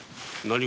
何！？